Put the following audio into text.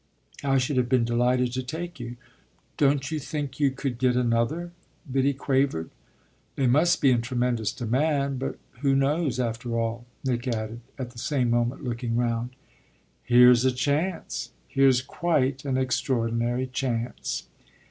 I should have been delighted to take you." "Don't you think you could get another?" Biddy quavered. "They must be in tremendous demand. But who knows after all?" Nick added, at the same moment looking round. "Here's a chance here's quite an extraordinary chance!"